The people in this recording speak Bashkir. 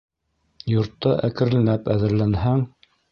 Йортта әкренләп әҙерләнһәң